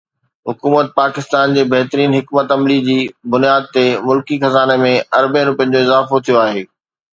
حڪومت پاڪستان جي بهترين حڪمت عملي جي بنياد تي ملڪي خزاني ۾ اربين رپين جو اضافو ٿيو آهي.